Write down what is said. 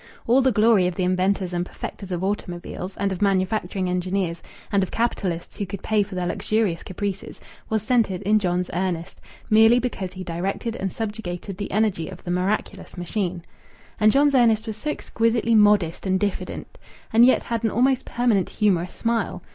All the glory of the inventors and perfecters of automobiles, and of manufacturing engineers, and of capitalists who could pay for their luxurious caprices, was centred in John's Ernest, merely because he directed and subjugated the energy of the miraculous machine. And John's Ernest was so exquisitely modest and diffident, and yet had an almost permanent humorous smile.